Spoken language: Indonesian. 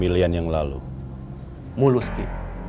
dan pengufasi ares itu